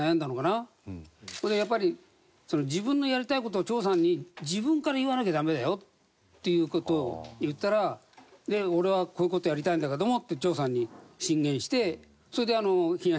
やっぱり自分のやりたい事を長さんに自分から言わなきゃダメだよっていう事を言ったら俺はこういう事をやりたいんだけどもって長さんに進言してそれであの『東村山』ができたの。